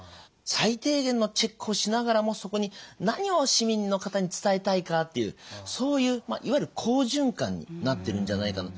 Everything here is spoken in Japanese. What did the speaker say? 最低限のチェックをしながらもそこに何を市民の方に伝えたいかっていうそういういわゆる好循環になってるんじゃないかな。